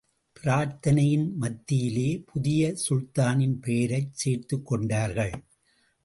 பிரார்த்தனையின் மத்தியிலே புதிய சுல்தானின் பெயரைச் சேர்த்துக் கொண்டார்கள்.